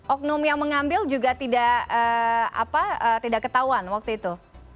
oknum yang mengambil juga tidak ketahuan waktu itu